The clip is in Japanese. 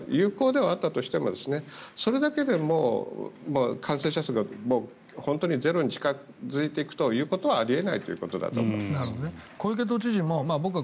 ある程度ワクチンは有効ではあったとしてもそれだけでもう感染者数が本当にゼロに近付いていくということはあり得ないということだと思います。